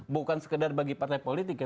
bukan sekedar bagi partai politik ya